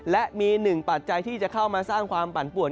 และมีหนึ่งปัจจัยที่จะเข้ามาสร้างความปั่นป่วน